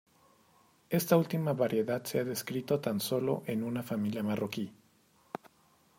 Esta última variedad se ha descrito tan solo en una familia marroquí.